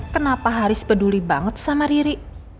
kenapa haris peduli banget sama riri